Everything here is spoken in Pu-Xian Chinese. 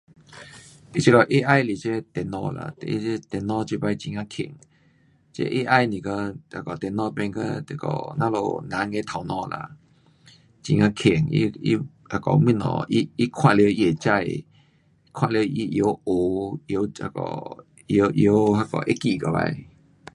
um 它这个 AI 是这电脑啦，他这电脑这次很呀棒。这 AI 是跟那个电脑变个那个我们人的头脑啦。很呀棒。它，它,那个东西它，它看了它会知。看了它会晓学，会这个，会会那个会记起来。